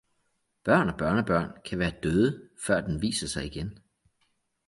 Børn og børnebørn kan være døde før den viser sig igen!